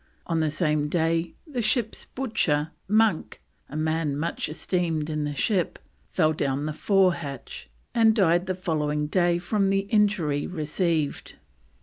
On the same day the ship's butcher, Monk, "a man much esteemed in the ship," fell down the forehatch, and died the following day from the injury received.